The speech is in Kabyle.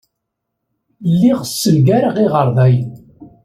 Lliɣ ssengareɣ iɣerdayen.